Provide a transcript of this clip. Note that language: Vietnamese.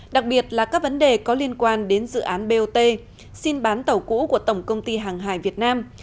đặc biệt là các vấn đề có liên quan đến dự án bot xin bán tàu cũ của tổng công ty hàng hải việt nam